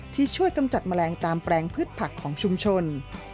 ที่ช่วยกำจัดแมลงตามแปลงพืชผักของชุมชน